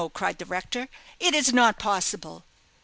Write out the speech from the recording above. cried the rector. "It is not possible!"